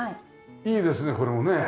いいですねこれもね。